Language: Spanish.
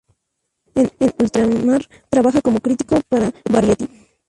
En ultramar trabaja como crítico para Variety.